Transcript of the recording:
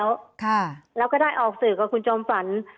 แล้วก็ได้ออกสื่อกับคุณจอมฝัน